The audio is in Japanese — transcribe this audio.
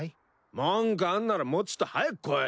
文句あんならもうちっと早く来い。